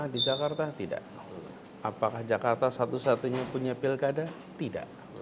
di jakarta tidak apakah jakarta satu satunya punya pilkada tidak